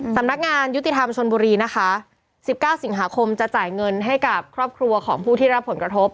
สำนักงานยุติธรรมชนบุรีนะคะ๑๙สิงหาคมจะจ่ายเงินให้กับครอบครัวของผู้ที่รับผลกระทบ